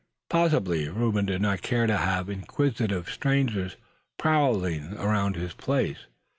Possibly Reuben did not care to have inquisitive strangers prowling about his place.